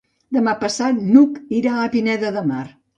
Demà passat n'Hug irà a Pineda de Mar.